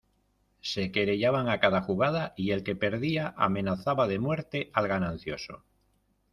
se querellaban a cada jugada, y el que perdía amenazaba de muerte al ganancioso.